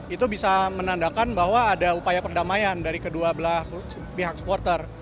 itu bisa menandakan bahwa ada upaya perdamaian dari kedua belah pihak supporter